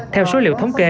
theo số liệu thống kê